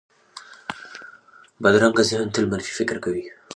بدرنګه ذهن تل منفي فکر کوي